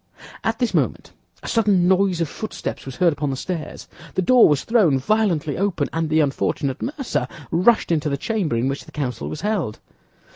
At this moment a sudden noise of footsteps was heard upon the stairs; the door was thrown violently open, and the unfortunate mercer rushed into the chamber in which the council was held.